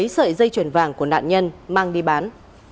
hùng đã gửi sợi dây chuyển vàng của nạn nhân mang đi bán